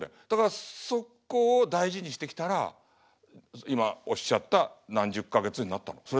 だからそこを大事にしてきたら今おっしゃった何十か月になったの。